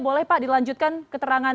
boleh pak dilanjutkan keterangan